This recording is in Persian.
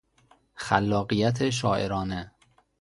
خلاقیت شاعرانه